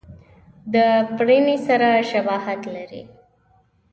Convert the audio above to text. د فرني سره شباهت لري.